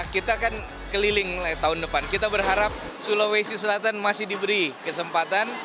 kita akan keliling tahun depan kita berharap sulawesi selatan masih diberi kesempatan